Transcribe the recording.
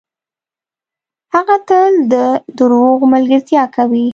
هغه تل ده دروغو ملګرتیا کوي .